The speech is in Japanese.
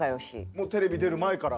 もうテレビ出る前から。